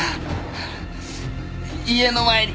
家の前に。